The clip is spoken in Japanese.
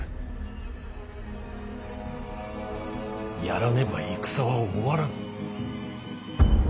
やらねば戦は終わらぬ。